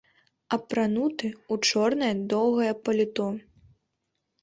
Апрануты ў чорнае даўгое паліто.